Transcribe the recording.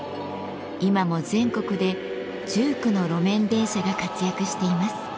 今も全国で１９の路面電車が活躍しています。